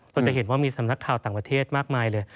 จะเห็นว่ามีสำนักข่าวต่างประเทศมากมายเลย